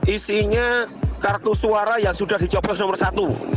isinya kartu suara yang sudah dicoblos nomor satu